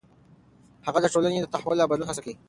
هغه د ټولنې د تحول او بدلون بحث کوي.